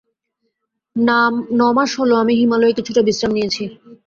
ন-মাস হল আমি হিমালয়ে কিছুটা বিশ্রাম নিয়েছি।